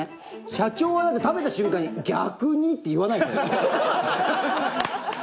社長はだって食べた瞬間に逆にって言わないじゃないですか。